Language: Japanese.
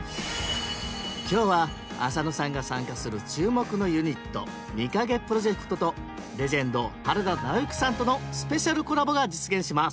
今日は浅野さんが参加する注目のユニットＭＩＫＡＧＥＰＲＯＪＥＣＴとレジェンド原田直之さんとのスペシャルコラボが実現します